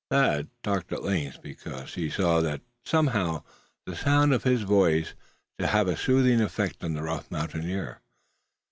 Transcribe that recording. Thad talked at length, because he saw that somehow the sound of his voice seemed to have a soothing effect on the rough mountaineer.